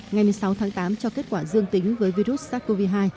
ngày một mươi sáu tháng tám cho kết quả dương tính với virus sars cov hai